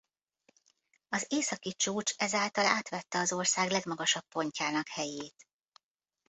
Az északi csúcs ezáltal átvette az ország legmagasabb pontjának helyét.